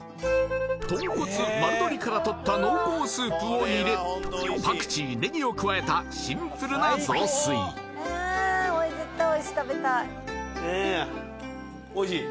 豚骨丸鶏からとった濃厚スープを入れを加えたシンプルな雑炊おいしい？